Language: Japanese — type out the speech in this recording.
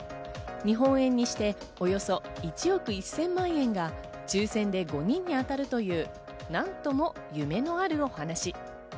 日本円にしておよそ１億１０００万円が抽選で５人に当たるという何とも夢のあるお話。